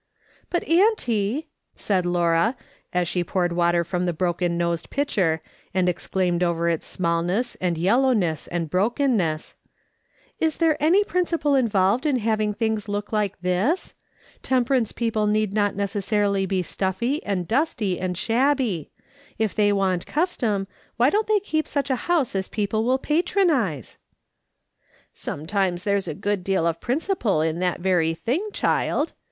" But, auntie," said Laura, as she poured water from the broken nosed pitcher, and exclaimed over its smallness, and yellowness, and brokenness, "is there any principle involved in having things look like this ? Temperance people need not necessarily be stuffy, and dusty, and shabby. If they want custom, why don't they keep such a house as people will patronise ?"" Sometimes there's a good deal of principle in that very thing, child.